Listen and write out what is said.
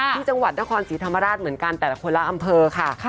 ที่จังหวัดนครศรีธรรมราชเหมือนกันแต่ละคนละอำเภอค่ะ